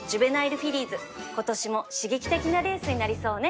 今年も刺激的なレースになりそうね